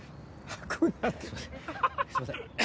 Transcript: すいません。